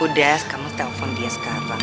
udah sekarang kamu telepon dia sekarang